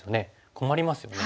困りますよね。